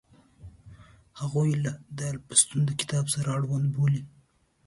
هغوی د الفونستون د کتاب سره اړوند بولي.